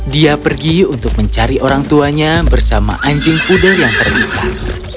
dia pergi untuk mencari orang tuanya bersama anjing pudel yang terlibat